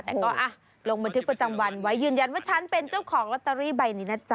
แต่ก็ลงบันทึกประจำวันไว้ยืนยันว่าฉันเป็นเจ้าของลอตเตอรี่ใบนี้นะจ๊